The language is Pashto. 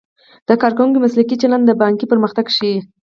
د کارکوونکو مسلکي چلند د بانک پرمختګ ښيي.